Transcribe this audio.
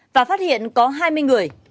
và phát hiện có hai mươi người